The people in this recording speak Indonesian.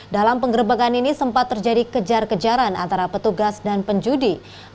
dalam penggerbekan ini sempat terjadi kejar kejaran antara petugas dan penjudi